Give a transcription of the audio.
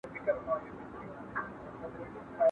¬ کږه غاړه توره هم نسي وهلاى.